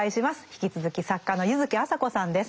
引き続き作家の柚木麻子さんです。